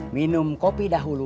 minum kopi dahulu